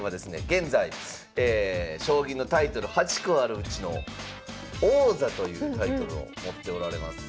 現在将棋のタイトル８個あるうちの「王座」というタイトルを持っておられます。